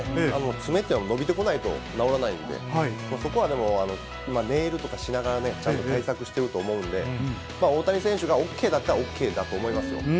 爪というのは伸びてこないと治らないので、そこはでも、今、ネイルとかしながらね、ちゃんと対策してると思うので、大谷選手がＯＫだったら、ＯＫだと思いますよ。